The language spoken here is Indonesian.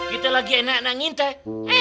kita lagi enak enak ngintai